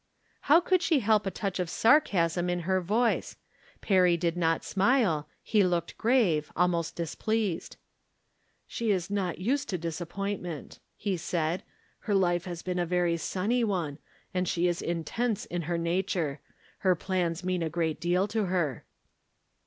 How could she help a touch of sarcasm in her voice. Perry did not smile ; he looked grave, almost displeased. " She is not used to disappointment," he said. " Her life has been a very sunny one, and she is intense in her nature. Her plans mean a great deal to her."